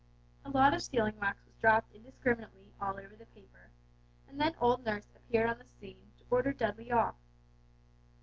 A lot of sealing wax was dropped indiscriminately all over the paper, and then old nurse appeared on the scene to order Dudley off.